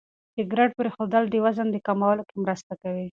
سګرېټ پرېښودل د وزن کمولو کې مرسته کوي.